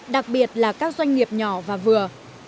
đặc biệt là các doanh nghiệp nhỏ và vừa